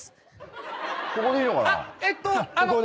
ここでいいのかな？